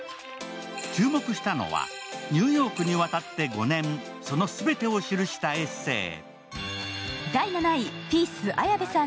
注目したのはニューヨークに渡って５年、その全てを記したエッセー。